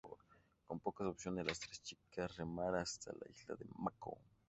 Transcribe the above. Con pocas opciones, las tres chicas remar hasta la isla de Mako.